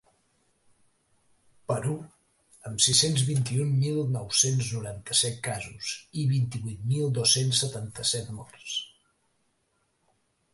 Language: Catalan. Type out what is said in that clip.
Perú, amb sis-cents vint-i-un mil nou-cents noranta-set casos i vint-i-vuit mil dos-cents setanta-set morts.